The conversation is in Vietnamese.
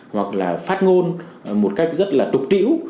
hoặc là phát ngôn một cách rất là tục tiễu